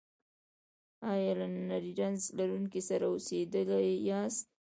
ایا له نري رنځ لرونکي سره اوسیدلي یاست؟